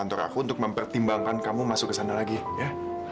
kantor aku untuk mempertimbangkan kamu masuk ke sana lagi ya